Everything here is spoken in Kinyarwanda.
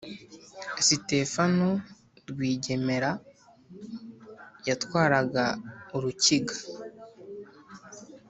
Sitefano Rwigemera yatwaraga Urukiga.